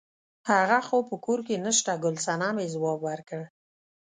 هغه خو په کور کې نشته ګل صمنې ځواب ورکړ.